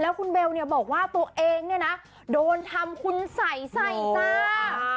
คุณเบลเนี่ยบอกว่าตัวเองเนี่ยนะโดนทำคุณใส่ใส่จ้า